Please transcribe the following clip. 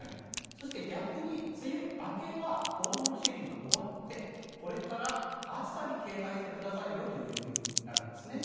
そして、逆に梅雨明けは大雨のシーズンが終わってこれから暑さに警戒してくださいよという意味になるんですね。